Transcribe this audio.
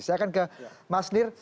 saya akan ke mas nir